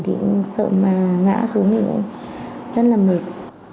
thì cũng sợ mà ngã xuống thì cũng rất là mệt